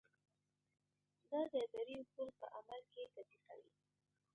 دا د ادارې اصول په عمل کې تطبیقوي.